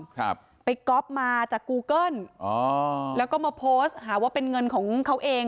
ครับไปก๊อฟมาจากกูเกิ้ลอ๋อแล้วก็มาโพสต์หาว่าเป็นเงินของเขาเอง